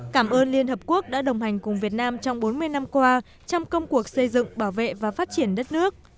cảm ơn liên hợp quốc đã đồng hành cùng việt nam trong bốn mươi năm qua trong công cuộc xây dựng bảo vệ và phát triển đất nước